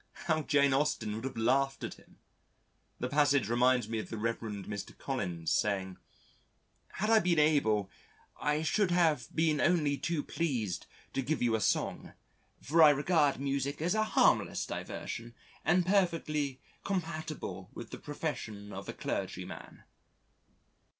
How Jane Austen would have laughed at him! The passage reminds me of the Rev. Mr. Collins saying: "Had I been able I should have been only too pleased to give you a song, for I regard music as a harmless diversion and perfectly compatible with the profession of a clergyman."